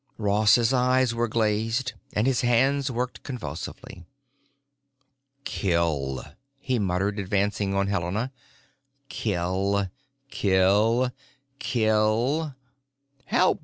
Ross's eyes were glazed and his hands worked convulsively. "Kill," he muttered, advancing on Helena. "Kill, kill, kill——" "Help!"